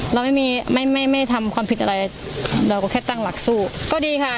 เราไม่มีไม่ไม่ทำความผิดอะไรเราก็แค่ตั้งหลักสู้ก็ดีค่ะ